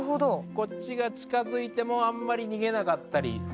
こっちが近づいてもあんまり逃げなかったり。